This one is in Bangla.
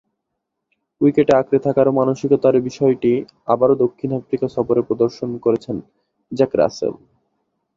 উইকেটে আঁকড়ে থাকার মানসিকতার বিষয়টি আবারও দক্ষিণ আফ্রিকা সফরে প্রদর্শন করেছেন জ্যাক রাসেল।